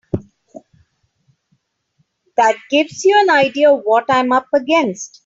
That gives you an idea of what I'm up against.